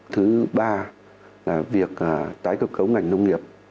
thứ ba là việc tái cơ cấu ngành nông nghiệp